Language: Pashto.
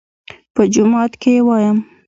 _په جومات کې يې وايم.